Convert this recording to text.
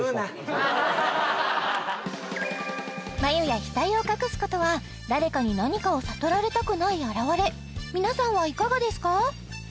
眉や額を隠すことは誰かに何かを悟られたくない表れ皆さんはいかがですか？